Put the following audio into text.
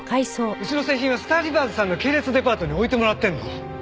うちの製品はスターリバーズさんの系列デパートに置いてもらってるの。